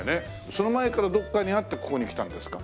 その前からどっかにあってここに来たんですか？